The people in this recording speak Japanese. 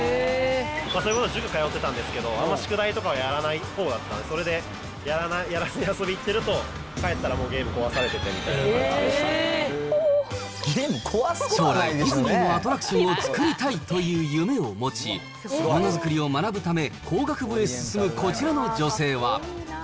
それこそ塾通ってたんですけど、あんま宿題とかをやらないほうだったので、それでやらずにいると、帰ったらもう、ゲーム壊されててみたいな将来、ディズニーのアトラクションを作りたいという夢を持ち、ものづくりを学ぶため工学部へ進むこちらの女性は。